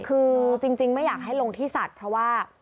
คือจริงไม่อยากให้ลงที่สัตว์เพราะว่า